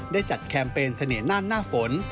ได้จัดแคมเปญเสน่หน่านหน้าฝน